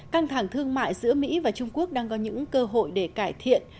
căng thẳng thương mại giữa mỹ và trung quốc đang có những cơ hội để cải thiện